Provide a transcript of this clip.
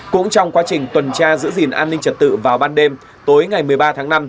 cũng trong quá trình tuần tra giữ gìn an ninh trật tự vào ban đêm tối ngày một mươi ba tháng năm